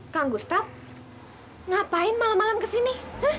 kang gustaf ngapain malam malam kesini